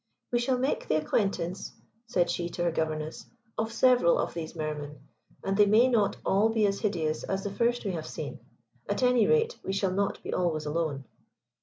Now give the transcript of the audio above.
"We shall make the acquaintance," said she to her governess, "of several of these Mer men, and they may not all be as hideous as the first we have seen. At any rate we shall not be always alone."